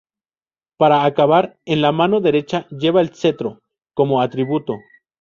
Para acabar, en la mano derecha lleva el cetro, como atributo.